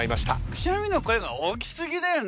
くしゃみの声が大きすぎだよね。